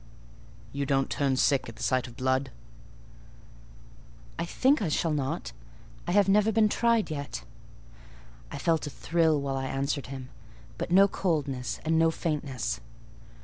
"You don't turn sick at the sight of blood?" "I think I shall not: I have never been tried yet." I felt a thrill while I answered him; but no coldness, and no faintness.